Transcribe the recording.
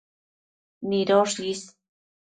nidosh is